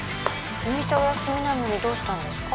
お店お休みなのにどうしたんですか？